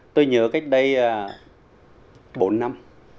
tôi nhớ cách đây bốn năm